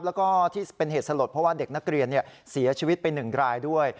แล้วก็ที่เป็นเหตุสลดเพราะว่าเด็กนักเรียนเสียชีวิตไป๑รายด้วย